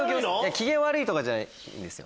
機嫌悪いとかじゃないんですよ。